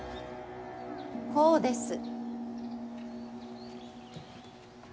こうです。